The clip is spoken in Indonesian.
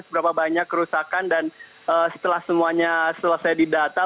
seberapa banyak kerusakan dan setelah semuanya selesai didata